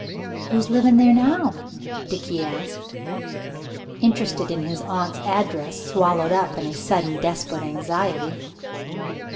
"Who's livin' there now?" Dickie asked, interest in his aunt's address swallowed up in a sudden desperate anxiety.